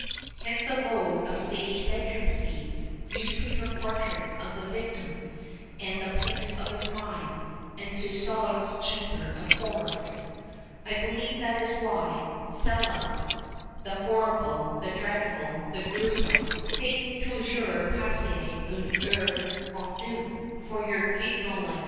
Hence the vogue of stage bedroom scenes, newspaper portraits of " the victim " and " the i)lace of the crime," and Tussaud's Chamber of Horrors. I believe that is why " ccla "— the horrible, the dreadful, the gruesome —" fait toujours passer une heure ou deux " for your Guignolite.